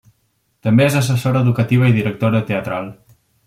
També és assessora educativa i directora teatral.